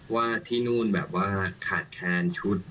ว่าที่นู่นแบบว่าขาดแคลนชุด